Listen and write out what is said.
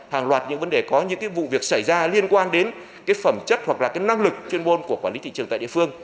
hàng loạt những vấn đề có những vụ việc xảy ra liên quan đến phẩm chất hoặc là năng lực chuyên môn của quản lý thị trường tại địa phương